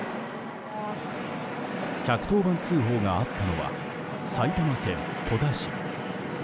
１１０番通報があったのは埼玉県戸田市。